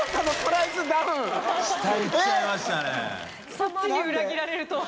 そっちに裏切られるとは。